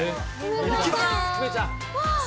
行きます。